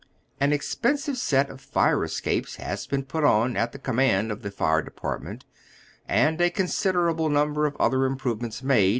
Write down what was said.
An expensive set of fii e escapes has been put on at the, command of the Fire Department, and a considerable number of other im provements made.